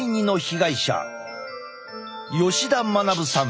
吉田学さん。